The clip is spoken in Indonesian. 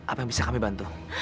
apa yang bisa kami bantu